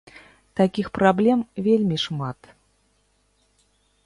Такіх праблем вельмі шмат.